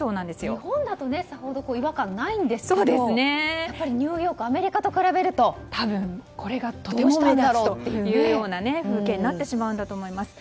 日本だとさほど違和感ないんですけどやっぱりニューヨークアメリカと比べるとどうしたんだろうという風景になってしまうんだと思います。